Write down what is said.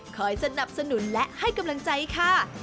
สนับสนุนและให้กำลังใจค่ะ